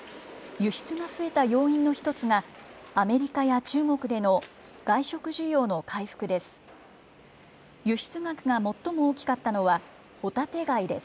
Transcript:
輸出が増えた要因の一つが、アメリカや中国での外食需要の回復です。